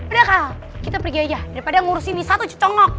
udah kal kita pergi aja daripada ngurusin nih satu cucong nok